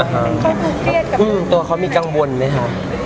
ราก็คงเมล็ดกับพวกเจ้านะคะนะตัวเขามีกังวลไหมคะ